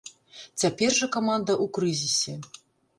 Цяпер жа каманда ў крызісе.